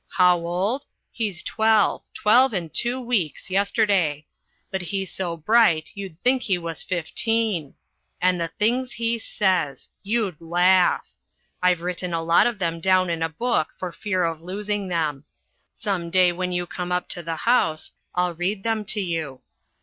How old? He's twelve. Twelve and two weeks yesterday. But he's so bright you'd think he was fifteen. And the things he says! You'd laugh! I've written a lot of them down in a book for fear of losing them. Some day when you come up to the house I'll read them to you.